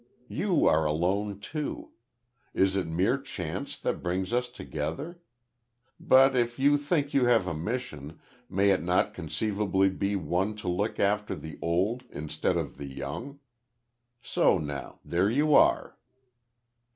You are alone too. Is it mere chance that brings us together? But if you think you have a mission, may it not conceivably be one to look after the old instead of the young. So now there you are."